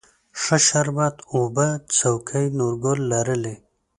ښه شربت اوبه څوکۍ، نورګل لرلې